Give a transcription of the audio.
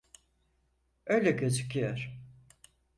Öyle gözüküyor.